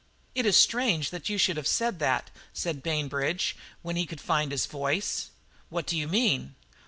"It is strange that you should have said that," said Bainbridge, when he could find his voice. "What do you mean?"